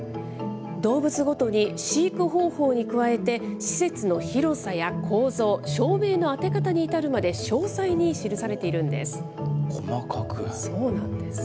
動物ごとに飼育方法に加えて、施設の広さや構造、照明の当て方に至るまで、詳細に記されているんです。